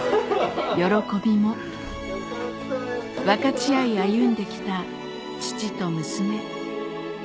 喜びも分かち合い歩んできた父と娘